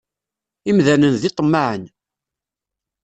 Imdanen d iḍemmaɛen.